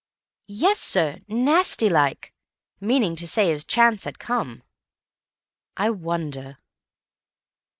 "Yes, sir. Nasty like. Meaning to say his chance had come." "I wonder."